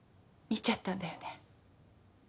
見ちゃったんだよね。